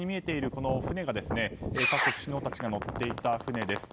この船が各国首脳たちが乗っていた船です。